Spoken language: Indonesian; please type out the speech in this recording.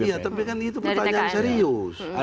iya tapi kan itu pertanyaan serius